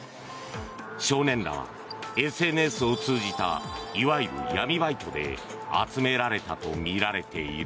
少年らはＳＮＳを通じたいわゆる闇バイトで集められたとみられている。